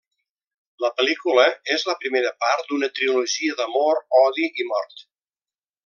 La pel·lícula és la primera part d'una trilogia d'amor, odi i mort.